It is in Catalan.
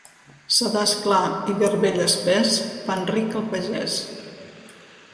Sedàs clar i garbell espès fan ric el pagès.